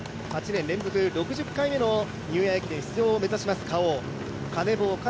連続６０回目のニューイヤー駅伝出場を目指します。